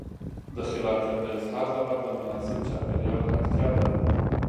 د خلاقیت د اظهار لپاره د مناسب چاپېریال اړتیا ده.